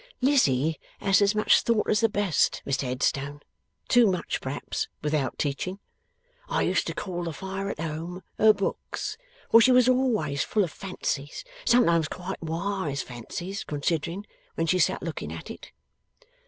'Lizzie has as much thought as the best, Mr Headstone. Too much, perhaps, without teaching. I used to call the fire at home, her books, for she was always full of fancies sometimes quite wise fancies, considering when she sat looking at it.